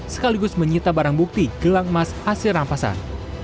sekaligus menyita barang bukti gelang emas hasil rampasan